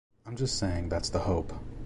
I'm just saying that's the hope.